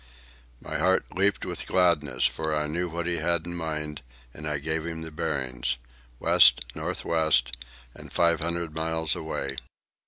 My heart leaped with gladness, for I knew what he had in mind, and I gave him the bearings—west north west, and five hundred miles away.